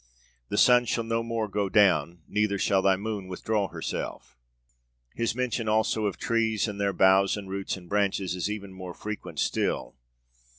The sun shall no more go down, neither shall thy moon withdraw herself.' His mention also of trees and their boughs and roots and branches is even more frequent still.